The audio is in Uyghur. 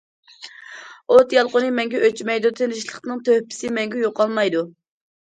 ئوت يالقۇنى مەڭگۈ ئۆچمەيدۇ، تىنچلىقنىڭ تۆھپىسى مەڭگۈ يوقالمايدۇ.